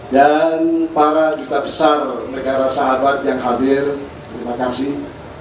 dan para juta besar negara sahabat yang hadir terima kasih